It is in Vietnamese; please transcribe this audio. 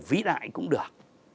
vĩ đại cũng được